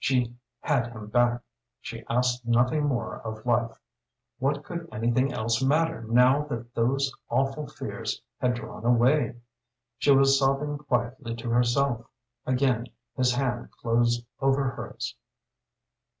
She had him back; she asked nothing more of life. What could anything else matter now that those awful fears had drawn away? She was sobbing quietly to herself. Again his hand closed over hers.